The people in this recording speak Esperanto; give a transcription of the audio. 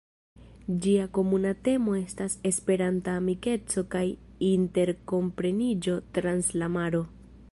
Ĝia komuna temo estas "Esperanta amikeco kaj interkompreniĝo trans la maro".